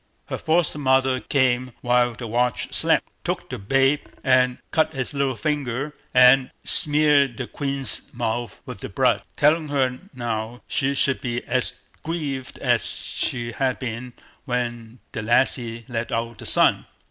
Her foster mother came while the watch slept, took the babe, and cut its little finger, and smeared the queen's mouth with the blood, telling her now she should be as grieved as she had been when the lassie let out the sun.